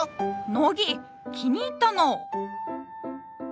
ノギ気に入ったのう。